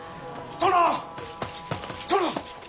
殿。